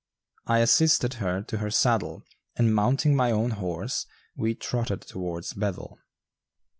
I assisted her to her saddle, and mounting my own horse, we trotted towards Bethel.